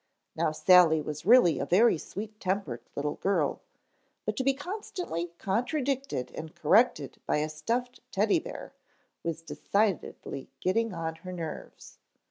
Now Sally was really a very sweet tempered little girl, but to be constantly contradicted and corrected by a stuffed Teddy bear was decidedly getting on her nerves.